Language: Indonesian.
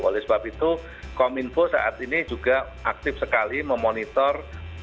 oleh sebab itu kominfo saat ini juga aktif sekali memonitor